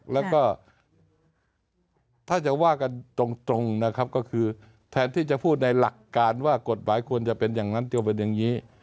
แล้วก็ถ้าจะว่ากันตรงนะครับก็คือแทนที่จะพูดในหลักการว่ากฎหมายควรจะเป็นอย่างนั้นจะเป็นอย่างนี้